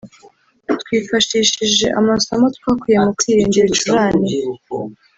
twifashishije amasomo twakuye mu kwirinda ibicurane